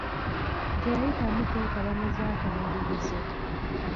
Teyayitamu kwetaba mu zaakamalirizo.